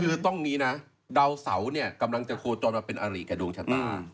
คือต้องมีนะดาวเสาเนี่ยกำลังจะโคจรมาเป็นอารีกับดวงชะตา